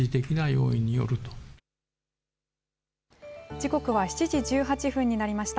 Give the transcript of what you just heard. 時刻は７時１８分になりました。